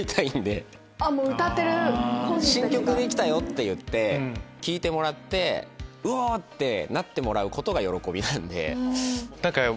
新曲できたよ！って言って聴いてもらってウオ！ってなってもらうことが喜びなんで。